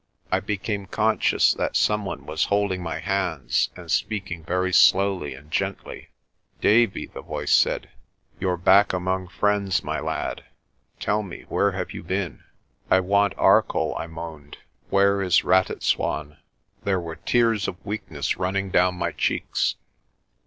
I became conscious that some one was holding my hands, and speaking very slowly and gently. "Davie," the voice said, "you're back among friends, my lad. Tell me, where have you been?" "I want Arcoll," I moaned. "Where is Ratitswan?' There were tears of weakness running down my cheeks.